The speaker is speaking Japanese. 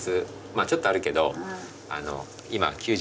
まあちょっとあるけど。